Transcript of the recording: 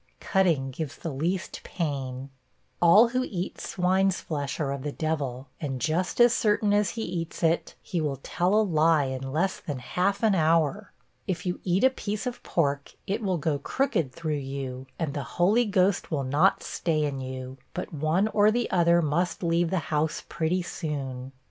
(Cutting gives the least pain.) 'All who eat swine's flesh are of the devil; and just as certain as he eats it, he will tell a lie in less than half an hour. If you eat a piece of pork, it will go crooked through you, and the Holy Ghost will not stay in you, but one or the other must leave the house pretty soon.